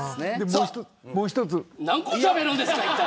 何個しゃべるんですか。